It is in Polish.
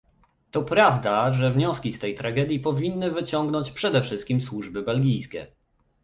To prawda, że wnioski z tej tragedii powinny wyciągnąć przede wszystkim służby belgijskie